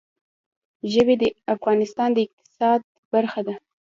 ژبې د افغانستان د اقتصاد برخه ده.